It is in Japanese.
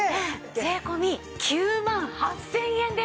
税込９万８０００円です。